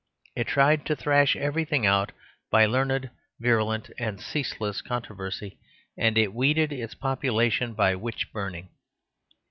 It tried to thrash everything out by learned, virulent, and ceaseless controversy; and it weeded its population by witch burning.